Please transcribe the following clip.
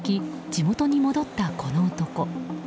地元に戻った、この男。